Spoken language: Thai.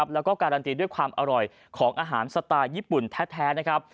แล้วก็การันตีด้วยความอร่อยของอาหารสไตล์ญี่ปุ่นแท้นะครับ